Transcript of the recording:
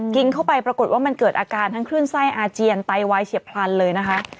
กินเข้าไปปรากฏว่ามันเกิดอาการทั้งคลื่นไส้อาเจียนไตวายเฉียบพลันเลยนะคะ